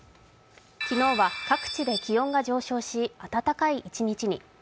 昨日は、各地で気温が上昇し、暖かい一日に。